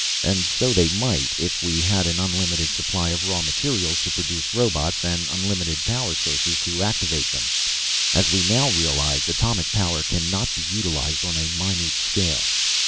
And so they might if we had an unlimited supply of raw materials to produce robots, and unlimited power sources to activate them. As we now realize, atomic power cannot be utilized on a minute scale.